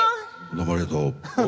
「どうもありがとう！」。